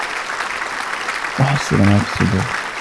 وَحُصِّلَ مَا فِي الصُّدُورِ